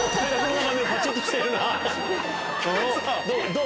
どう？